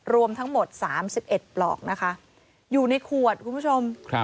รวมทั้งหมด๓๑ปลอกนะคะอยู่ในขวดคุณผู้ชม